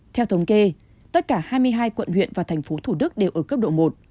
theo thống kê tất cả hai mươi hai quận huyện và thành phố thủ đức đều ở cấp độ một